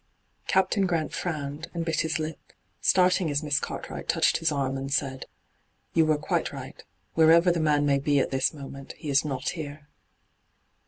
Captain Grant frowned, and bit his lip, starting as Miss Cartwright touched his arm and said :' You were quite right. Wherever the man may be at this moment, he is not here.'